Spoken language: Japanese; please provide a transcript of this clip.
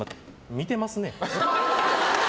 見てますね。